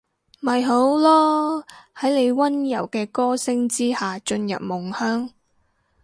咪好囉，喺你溫柔嘅歌聲之下進入夢鄉